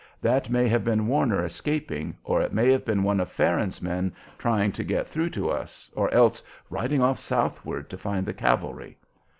"That may have been Warner escaping, or it may have been one of Farron's men trying to get through to us or else riding off southward to find the cavalry.